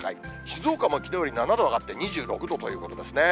静岡もきのうより７度上がって２６度ということですね。